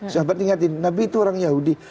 sahabat ingatin nabi itu orang yahudi